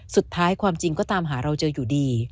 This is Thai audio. สุดท้ายความจริงก็ตามหาเราเจออยู่ดี